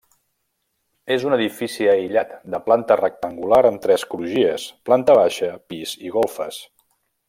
És un edifici aïllat, de planta rectangular amb tres crugies, planta baixa, pis i golfes.